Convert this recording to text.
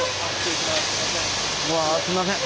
うわすんません。